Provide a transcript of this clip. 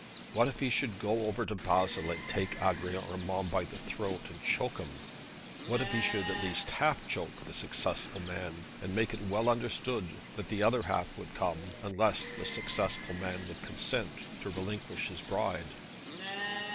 What if he should go over to Basle and take Adrian Urmand by the throat and choke him? What if he should at least half choke the successful man, and make it well understood that the other half would come unless the successful man would consent to relinquish his bride?